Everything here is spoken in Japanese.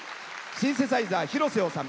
シンセサイザー、広瀬修。